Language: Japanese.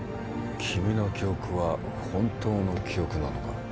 君の記憶は本当の記憶なのか？